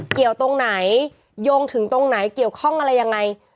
เกี่ยวตรงไหนโยงถึงตรงไหนเกี่ยวข้องอะไรยังไง